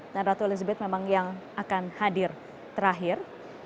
dan ratu elizabeth memang yang akan hadir terakhir